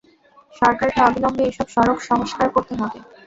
সরকারকে অবিলম্বে এসব সড়ক সংস্কার করতে হবে।